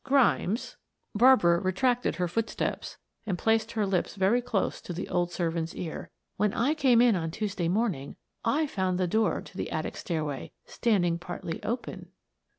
"Grimes," Barbara retracted her footsteps and placed her lips very close to the old servant's ear. "When I came in on Tuesday morning I found the door to the attic stairway standing partly open...